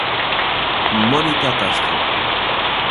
Mónica Castro.